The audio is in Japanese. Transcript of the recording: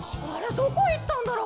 どこ行ったんだろう？